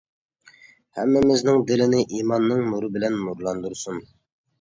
ھەممىمىزنىڭ دىلىنى ئىماننىڭ نۇرى بىلەن نۇرلاندۇرسۇن.